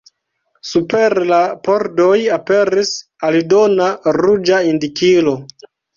Super la pordoj aperis aldona ruĝa indikilo.